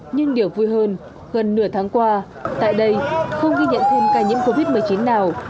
nhưng điều vui hơn gần nửa tháng qua tại đây không ghi nhận thêm ca nhiễm covid một mươi chín nào tất cả đều an toàn